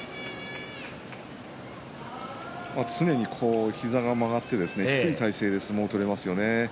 常に膝が曲がって低い体勢で相撲を取りますよね。